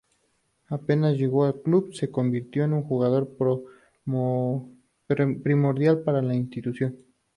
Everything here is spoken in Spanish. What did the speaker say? Apenas llegó al club, se convirtió en un jugador primordial para la institución.